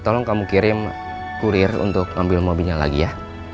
tolong kamu kirim kurir untuk ngambil mobilnya lagi ya